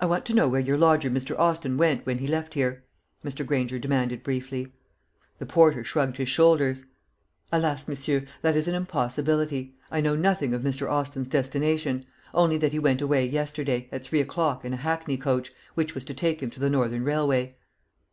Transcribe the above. "I want to know where your lodger Mr. Austin went when he left here?" Mr. Granger demanded briefly. The porter shrugged his shoulders. "Alas, monsieur, that is an impossibility. I know nothing of Mr. Austin's destination; only that he went away yesterday, at three o'clock, in a hackney coach, which was to take him to the Northern Railway."